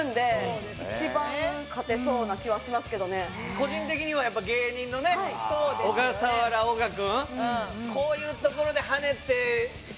個人的にはやっぱ芸人のね小笠原おが君。